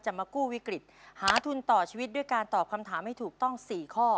มากู้วิกฤตหาทุนต่อชีวิตด้วยการตอบคำถามให้ถูกต้อง๔ข้อ